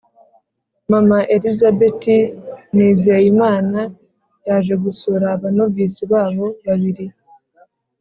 mama elizabeth nizeyimana yaje gusura abanovisi babo babiri